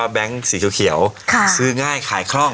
ว่าแบงค์สีเขียวเขียวค่ะซื้อง่ายขายกล้อง